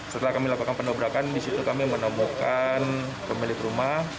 setelah kami lakukan pendobrakan disitu kami menemukan pemilik rumah